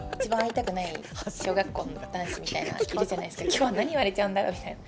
今日、何言われちゃうんだろみたいな。